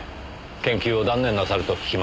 研究を断念なさると聞きました。